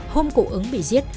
hôm cụ ứng bị giết